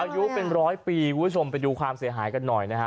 อายุเป็นร้อยปีคุณผู้ชมไปดูความเสียหายกันหน่อยนะฮะ